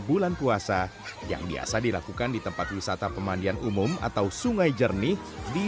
bulan puasa yang biasa dilakukan di tempat wisata pemandian umum atau sungai jernih di